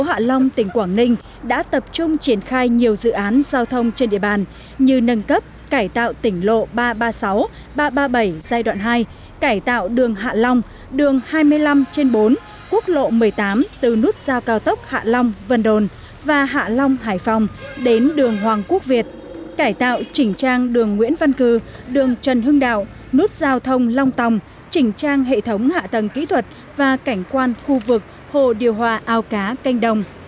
hạ long tỉnh quảng ninh đã tập trung triển khai nhiều dự án giao thông trên địa bàn như nâng cấp cải tạo tỉnh lộ ba trăm ba mươi sáu ba trăm ba mươi bảy giai đoạn hai cải tạo đường hạ long đường hai mươi năm trên bốn quốc lộ một mươi tám từ nút giao cao tốc hạ long vân đồn và hạ long hải phòng đến đường hoàng quốc việt cải tạo chỉnh trang đường nguyễn văn cư đường trần hưng đạo nút giao thông long tòng chỉnh trang hệ thống hạ tầng kỹ thuật và cảnh quan khu vực hồ điều hòa ao cá canh đồng